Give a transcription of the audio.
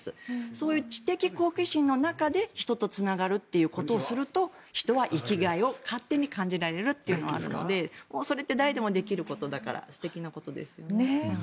そういう知的好奇心の中で人とつながろうとするということをすると人は生きがいを勝手に感じられるというのがあるのでそれって誰でもできることだから素敵なことですよね。